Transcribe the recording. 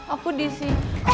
aku di si